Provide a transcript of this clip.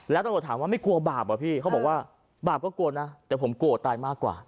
แล้วตำรวจถามว่าไม่กลัวบาปเหรอพี่เขาบอกว่าบาปก็กลัวนะแต่ผมกลัวตายมากกว่า